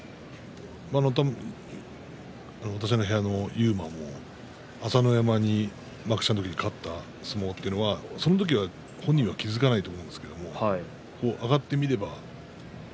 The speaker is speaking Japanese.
私の部屋の勇磨も朝乃山に幕下の時に勝った相撲というのは、その時は本人は気付かないと思うんですけれども上がって見ればね